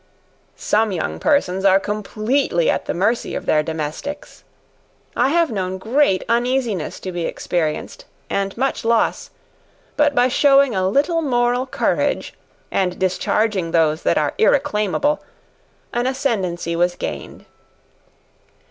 Some young persons are completely at the mercy of their domestics. I have known great uneasiness to be experienced, and much loss; but by showing a little moral courage, and discharging those that are irreclaimable, an ascendancy was gained.